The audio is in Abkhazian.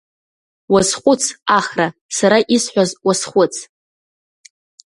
Уазхәыц, Ахра, сара исҳәаз уазхәыц!